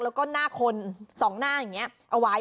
แล้วก็หน้าคนสองหน้าอย่างนี้เอาไว้